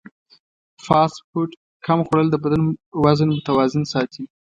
فاسټ فوډ کم خوړل د بدن وزن متوازن ساتي.